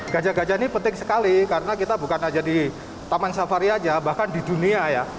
gajah gajah ini penting sekali karena kita bukan saja di taman safari aja bahkan di dunia ya